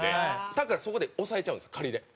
だからそこで押さえちゃうんですよで。